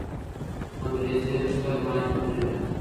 انګریزي لښکر ماتې خوري.